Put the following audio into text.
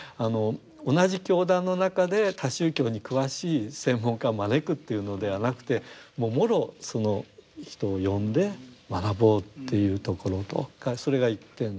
同じ教団の中で他宗教に詳しい専門家を招くというのではなくてもろその人を呼んで学ぼうというところそれが一点ですね。